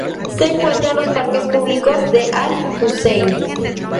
Se encuentra en los parques públicos de Al Hussein.